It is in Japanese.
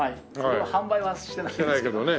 販売はしてないんですけど。